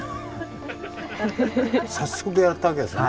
早速やったわけですね。